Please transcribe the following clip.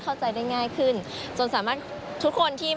เข้าใจได้ง่ายขึ้นจนสามารถทุกคนที่